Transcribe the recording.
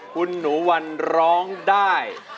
คุณหนูวันร้องได้